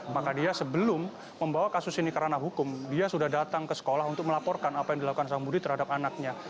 maka dia sebelum membawa kasus ini karena hukum dia sudah datang ke sekolah untuk melaporkan apa yang dilakukan sang budi terhadap anaknya